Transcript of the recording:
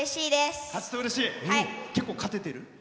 結構、勝ててる？